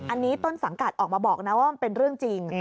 อันนี้ต้นสังกัดออกมาบอกนะว่ามันเป็นเรื่องจริง